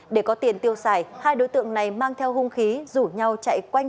để có tiền tiêu xài hai đối tượng này mang theo hung khí rủ nhau chạy quanh